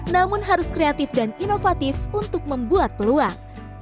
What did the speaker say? namun harus kreatif dan inovatif untuk membuat peluang